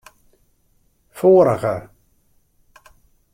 Foarige.